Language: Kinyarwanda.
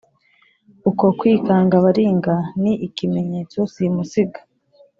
Uko kwikanga baringa, Ni ikimenyetso simusiga,